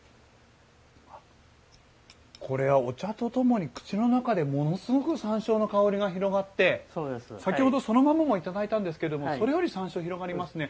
これは、お茶とともに口の中でものすごく山椒の香りが広がって先ほど、そのままもいただいたんですけれどもそれより山椒が広がりますね。